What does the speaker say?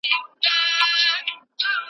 حکومتونه چیري نوي ډیپلوماټیک اسناد ساتي؟